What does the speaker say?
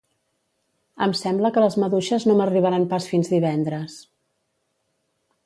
Em sembla que les maduixes no m'arribaran pas fins divendres